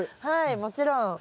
はいもちろん。